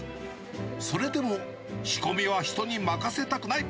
それでも仕込みは人に任せたくない。